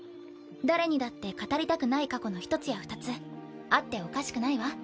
誰にだって語りたくない過去の１つや２つあっておかしくないわ。